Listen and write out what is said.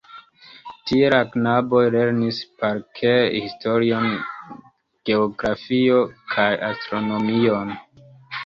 Tie la knaboj lernis parkere historion, geografion kaj astronomion.